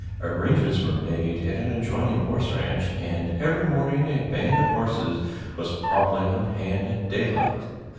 Arrangements were made at an adjoining horse ranch, and every morning a band of horses was promptly on hand at daylight.